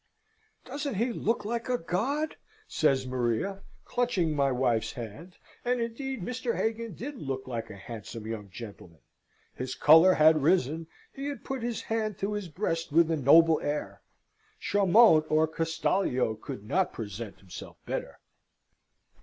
"Doesn't he look like a god?" says Maria, clutching my wife's hand: and indeed Mr. Hagan did look like a handsome young gentleman. His colour had risen; he had put his hand to his breast with a noble air: Chamont or Castalio could not present himself better.